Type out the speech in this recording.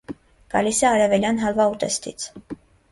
Գալիս է արևելյան հալվա ուտեստից։